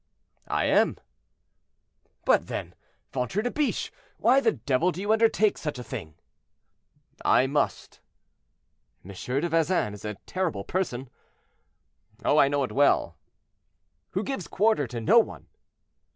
"I am." "But then, ventre de biche, why the devil do you undertake such a thing?" "I must." "M. de Vezin is a terrible person." "I know it well." "Who gives quarter to no one."